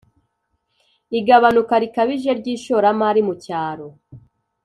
igabanuka rikabije ry'ishoramari mu cyaro,